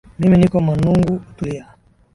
mimi niko manungu tulia